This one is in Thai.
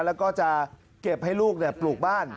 แล้วก็จะเก็บให้ลูกปลูกบ้าน